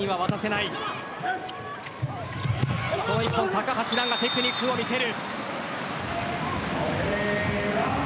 高橋藍がテクニックを見せる。